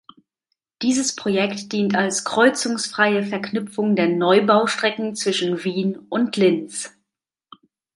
Dieses Projekt dient als kreuzungsfreie Verknüpfung der Neubaustrecken zwischen Wien und Linz.